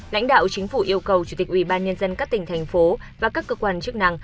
lãnh đạo chính phủ yêu cầu chủ tịch ubnd các tỉnh thành phố và các cơ quan chức năng